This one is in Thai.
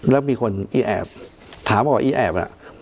แล้วมีคนไอ้แอบถามกับไอ้แอบน่ะ